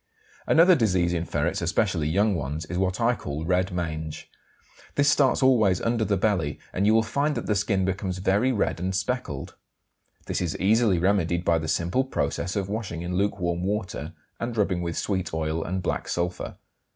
Another disease in ferrets, especially young ones, is what I call "red mange." This starts always under the belly, and you will find that the skin becomes very red and speckled. This is easily remedied by the simple process of washing in lukewarm water and rubbing with sweet oil and black sulphur.